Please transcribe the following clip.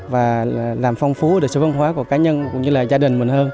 và làm phong phú được số văn hóa của cá nhân cũng như là gia đình mình hơn